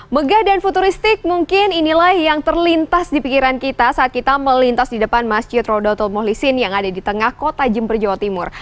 megah dan futuristik mungkin inilah yang terlintas di pikiran kita saat kita melintas di depan masjid rodatul mohlisin yang ada di tengah kota jember jawa timur